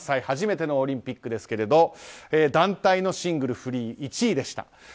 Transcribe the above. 初めてのオリンピックですが団体のシングルフリー１位でした。